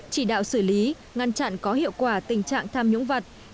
chỉ đạo xử lý ngăn chặn có hiệu quả tình trạng tham nhũng vật